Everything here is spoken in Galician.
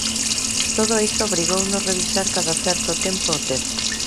Todo iso obrigounos revisar cada certo tempo o texto.